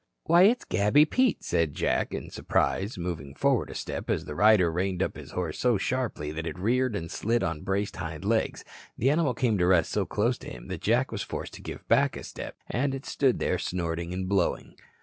"Why, it's Gabby Pete," said Jack in surprise, moving forward a step as the rider reined up his horse so sharply that it reared and slid on braced hind legs. The animal came to rest so close to him that Jack was forced to give back a step, and it stood there snorting and blowing.